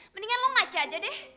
mendingan lo maca aja deh